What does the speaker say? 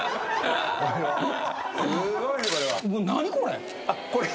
何これ？